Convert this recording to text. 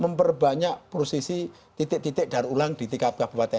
memperbanyak posisi titik titik darulang di tingkat kabupaten